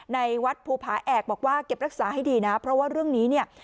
ในวัดภูผาแอกบอกว่าเก็บรักษาให้ดีนะเพราะว่าเรื่องนี้เนี่ย